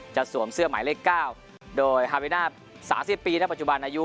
จัดสวมเสื้อหมายเลขเก้าโดยฮาเวน่าสามสิบปีณปัจจุบันอายุ